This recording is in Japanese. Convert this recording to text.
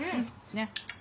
ねっ。